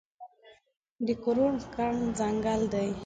د کروړو ګڼ ځنګل دی